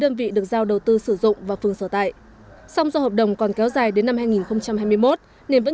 đơn vị được giao đầu tư sử dụng và phương sở tại song do hợp đồng còn kéo dài đến năm hai nghìn hai mươi một nên vẫn